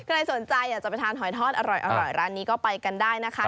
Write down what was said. ใครสนใจอยากจะไปทานหอยทอดอร่อยร้านนี้ก็ไปกันได้นะคะ